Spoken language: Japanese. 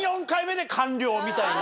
みたいな。